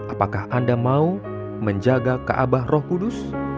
apakah anda mau menjaga keabah roh kudus